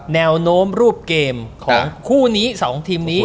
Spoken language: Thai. แนวโน้มรูปเกมของคู่นี้๒ทีมนี้